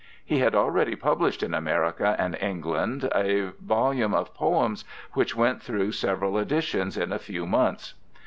He had already published in America and England a volume of Poems, which went through several editions in a few months.